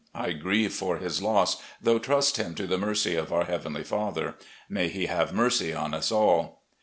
I grieve for his loss, though trust him to the mercy of our Heavenly Father. May He have mercy on us all.